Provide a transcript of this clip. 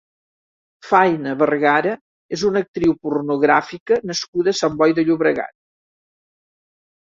Fayna Vergara és una actriu pornogràfica nascuda a Sant Boi de Llobregat.